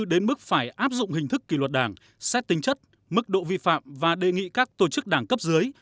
đến mức phải áp dụng hình thức kỷ luật đảng xét tính chất mức độ vi phạm và đề nghị các tổ chức đảng cấp dưới